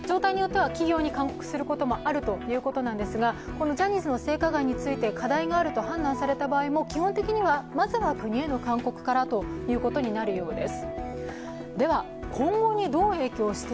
このジャニーズの性加害について課題があると判断された場合も基本的にはまずには国への勧告からということになるようです。